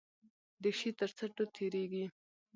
د شی تر څنډو تیریږي.